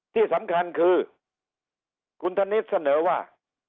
ที่สำคัญคือคุณธนิษฐ์เสนอว่า